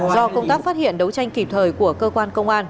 do công tác phát hiện đấu tranh kịp thời của cơ quan công an